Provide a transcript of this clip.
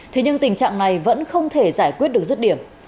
thế nhưng tình trạng này vẫn không thể giải quyết được rứt điểm